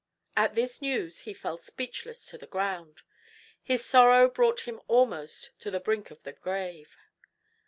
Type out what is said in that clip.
At this news he fell speechless to the ground. His sorrow brought him almost to the brink of the grave.